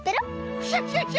クシャシャシャ！